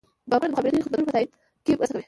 بانکونه د مخابراتي خدمتونو په تادیه کې مرسته کوي.